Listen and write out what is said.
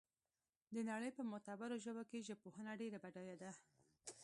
د نړۍ په معتبرو ژبو کې ژبپوهنه ډېره بډایه ده